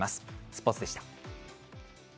スポーツでした。